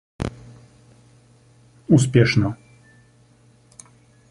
успешно